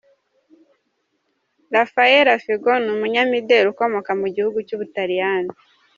Raffaela Fico ni umunyamideri ukomoka mu gihugu cy'ubutaliyani.